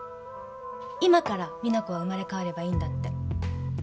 「今から実那子は生まれ変わればいいんだ」って。